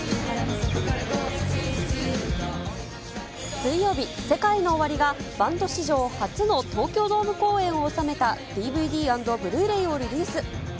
水曜日、ＳＥＫＡＩＮＯＯＷＡＲＩがバンド史上初の東京ドーム公演を収めたＤＶＤ＆ブルーレイをリリース。